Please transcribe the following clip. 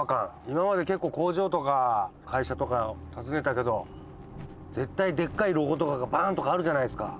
今まで結構工場とか会社とか訪ねたけど絶対でっかいロゴとかがバンッとかあるじゃないですか。